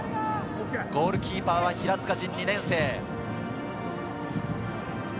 ゴールキーパーは平塚仁、２年生。